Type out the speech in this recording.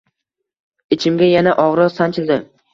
Ichimga yana og’riq sanchildi.